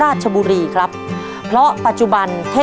ทางโรงเรียนยังได้จัดซื้อหม้อหุงข้าวขนาด๑๐ลิตร